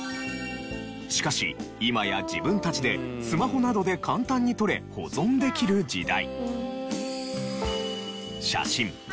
しかし今や自分たちでスマホなどで簡単に撮れ保存できる時代。